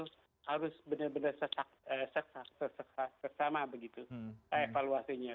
harus benar benar sesama begitu evaluasinya